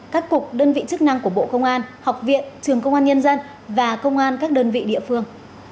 các cục đơn vị chức năng của bộ công an học viện trường công an nhân dân và công an các đơn vị địa phương